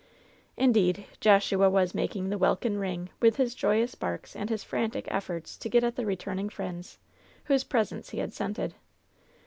Indeed, Joshua was making "the welkin ring^' with his joyous barks and his frantic efforts to get at the returning friends, whose presence he had scented.